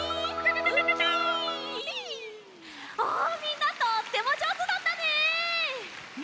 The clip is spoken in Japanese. あみんなとってもじょうずだったね。